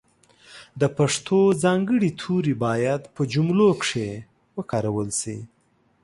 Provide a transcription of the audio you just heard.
د پښتو ځانګړي توري باید په جملو کښې وکارول سي.